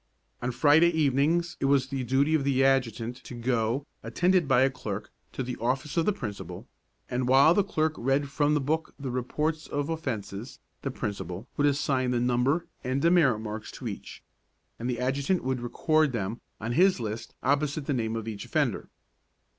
On Friday evenings it was the duty of the adjutant to go, attended by a clerk, to the office of the principal, and while the clerk read from the book the reports of offences, the principal would assign the number of demerit marks to each, and the adjutant would record them on his list opposite the name of each offender.